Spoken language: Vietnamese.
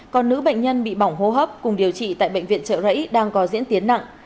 còn nữ bệnh nhân bị bỏng hô hấp cùng điều trị tại bệnh viện trợ rẫy đang có diễn tiến nặng